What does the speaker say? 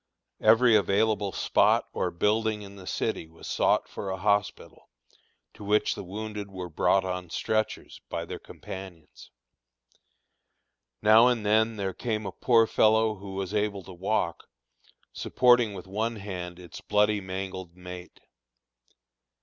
Every available spot or building in the city was sought for a hospital, to which the wounded were brought on stretchers by their companions. Now and then there came a poor fellow who was able to walk, supporting with one hand its bloody, mangled mate.